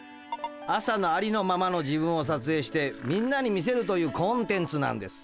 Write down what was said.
朝のありのままの自分をさつえいしてんなに見せるというコンテンツなんです。